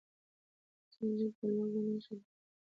سنجد د لوګر نښه ده.